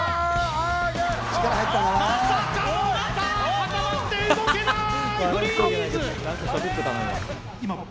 固まって動けない！